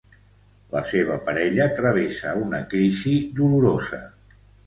La seva parella travessa una crisi dolorosa.